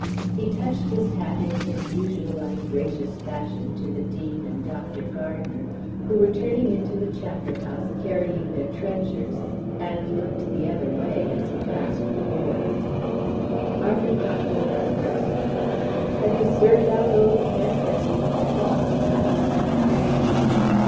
He touched his hat in his usual ungracious fashion to the dean and Dr. Gardner, who were turning into the chapter house, carrying their trenchers, and looked the other way as he passed the boys. Arthur caught hold of Hurst. "Have you 'served out' old Ketch, as you threatened?" he laughingly asked.